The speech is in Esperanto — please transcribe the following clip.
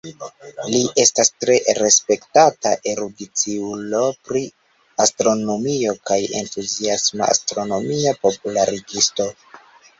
Li estas tre respektata erudiciulo pri astronomio kaj entuziasma astronomia popularigisto.